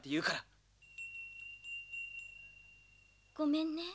南：ごめんね。